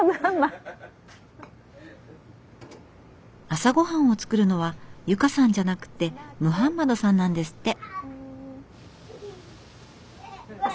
朝ごはんを作るのは由佳さんじゃなくてムハンマドさんなんですって。